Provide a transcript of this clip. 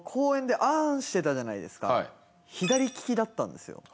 あのはい左利きだったんですよ